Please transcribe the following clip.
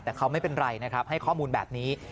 แต่เขาไม่เป็นไรนะครับให้ข้อมูลแบบนี้